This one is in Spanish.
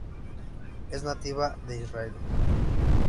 Es nativa de Israel.